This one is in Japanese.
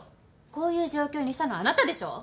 こういう状況にしたのはあなたでしょ？